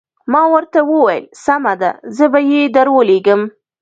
ما ورته وویل سمه ده زه به یې درولېږم.